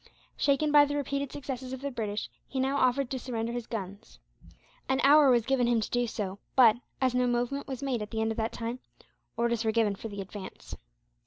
Shaken by the repeated successes of the British, he now offered to surrender his guns. An hour was given him to do so but, as no movement was made at the end of that time, orders were given for the advance.